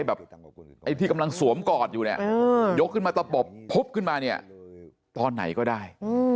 ไอ้ที่กำลังสวมกอดอยู่เนี่ยยกขึ้นมาตะปบพุบขึ้นมาเนี่ยตอนไหนก็ได้